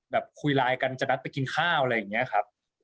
คุยไลน์กันจะนัดไปกินข้าวอะไรอย่างนี้ครับ